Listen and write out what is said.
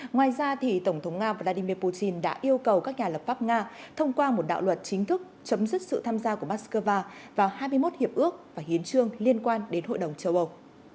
ngoài ra tổng thống nga vladimir putin đã yêu cầu các nhà lập pháp nga thông qua một đạo luật chính thức chấm dứt sự tham gia của moscow vào hai mươi một hiệp ước và hiến trương liên quan đến hội đồng châu âu